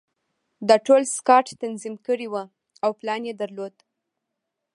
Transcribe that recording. دا ټول سکاټ تنظیم کړي وو او پلان یې درلود